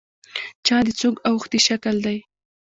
چا د څوک اوښتي شکل دی.